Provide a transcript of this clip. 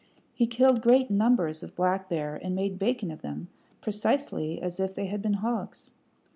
He killed great numbers of black bear, and made bacon of them, precisely as if they had been hogs.